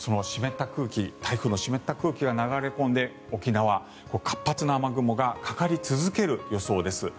その台風の湿った空気が流れ込んで沖縄、活発な雨雲がかかり続ける予想です。